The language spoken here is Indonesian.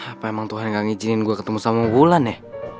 apa emang tuhan gak ngizinin gue ketemu sama wulan ya